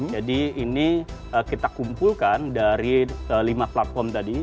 jadi ini kita kumpulkan dari lima platform tadi